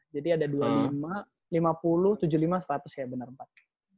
jadi ada dua puluh lima lima puluh tujuh puluh lima seratus ya bener pak